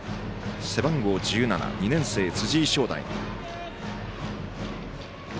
背番号１７、２年生、辻井翔大。